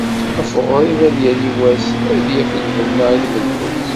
Ɣef uɣrib ad yali wass, ad yaf lbenna i tmeddurt.